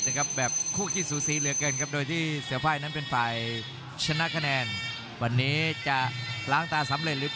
มากิจการคุณพลน้อยเจปูบางกระปริก